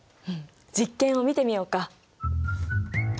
うん実験を見てみようか。